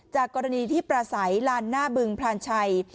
จากกรณีที่ประสัยลานหน้าบึงพลานชัย